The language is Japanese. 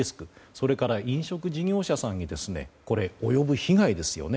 それから飲食事業者さんに及ぶ被害ですよね。